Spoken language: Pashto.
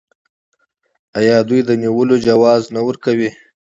آیا دوی د نیولو جواز نه ورکوي؟